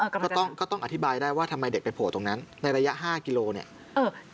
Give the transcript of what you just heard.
ก็ต้องอธิบายได้ว่าทำไมเด็กไปโผล่ตรงนั้นในระยะ๕กิโลเนี่ย